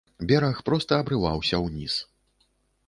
Бераг проста абрываўся ўніз.